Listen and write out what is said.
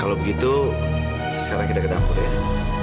kalau begitu sekarang kita ke dapur ini